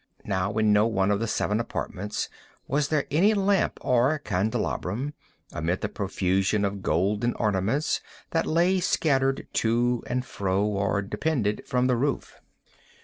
Now in no one of the seven apartments was there any lamp or candelabrum, amid the profusion of golden ornaments that lay scattered to and fro or depended from the roof.